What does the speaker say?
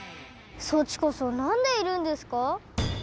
そっちこそなんでいるんですか？